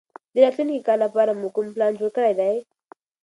د راتلونکي کال لپاره مو کوم پلان جوړ کړی دی؟